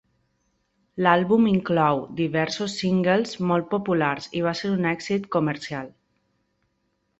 L'àlbum inclou diversos singles molt populars i va ser un èxit comercial.